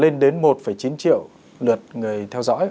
lên đến một chín triệu lượt người theo dõi